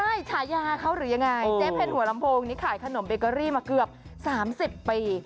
ใช่ฉายาเขาหรือยังไงเจ๊เพ็ญหัวลำโพงนี่ขายขนมเบเกอรี่มาเกือบ๓๐ปี